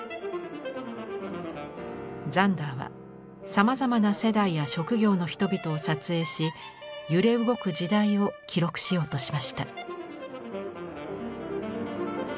ザンダーはさまざまな世代や職業の人々を撮影し揺れ動く時代を記録しようとしました。